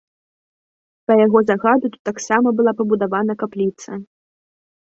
Па яго загаду тут таксама была пабудавана капліца.